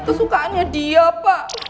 kesukaannya dia pak